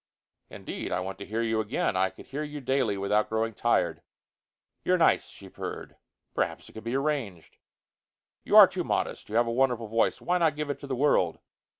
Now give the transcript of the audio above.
"Indeed! I want to hear you again. I could hear you daily without growing tired." "You're nice," she purred. "Perhaps it could be arranged." "You are too modest. You have a wonderful voice. Why not give it to the world?"